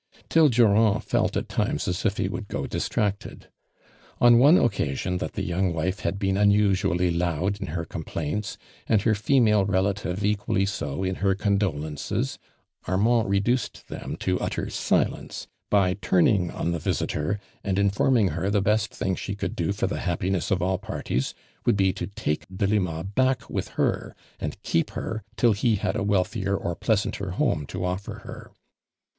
till Durand felt iit times as if he would go distracted. On one occasion that the young wife had been unusually loud in iier complaints, and her i'emale relative equally so in lier condo lences, Armand reduced them to utter silence by turning on the visitor and in forming her the best thing she could do for the happiness of all parties would bo to take Delima back with her, and keep her till he had a wealthier or pleasanter home to offer her.